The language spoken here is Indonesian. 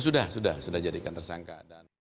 sudah sudah sudah jadikan tersangka